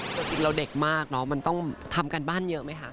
จริงเราเด็กมากเนอะมันต้องทำการบ้านเยอะไหมคะ